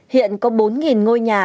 hiện có bốn ngôi nhà